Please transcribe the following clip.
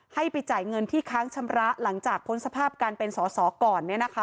ให้ไปจ่ายเงินที่ค้างชำระหลังจากพ้นสภาพการเป็นสอสอก่อน